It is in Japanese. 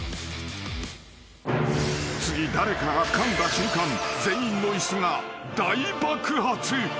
［次誰かがかんだ瞬間全員の椅子が大爆発］